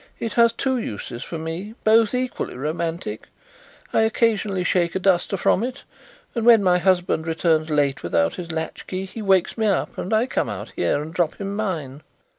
It has two uses for me, both equally romantic; I occasionally shake a duster from it, and when my husband returns late without his latchkey he wakes me up and I come out here and drop him mine."